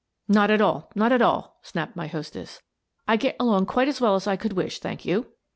" Not at all ; not at all," snapped my hostess. " I get along quite as well as I could wish, thank you."